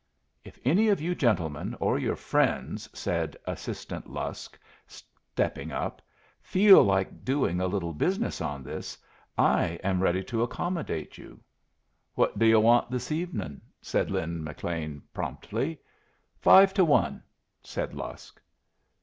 "If any of you gentlemen, or your friends," said Assistant Lusk, stepping up, "feel like doing a little business on this, I am ready to accommodate you." "What do yu' want this evenin'?" said Lin McLean, promptly. "Five to one," said Lusk.